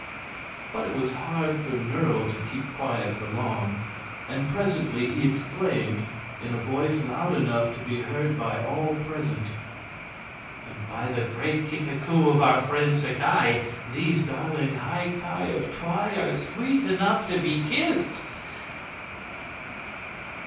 But it was hard for Nerle to keep quiet for long, and presently he exclaimed, in a voice loud enough to be heard by all present: "By the Great Kika koo of our friends the Ki, these darling High Ki of Twi are sweet enough to be kissed!"